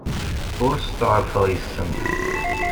Ur steɛṛfeɣ yes-sent.